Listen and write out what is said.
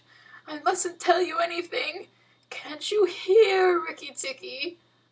I mustn't tell you anything. Can't you hear, Rikki tikki?"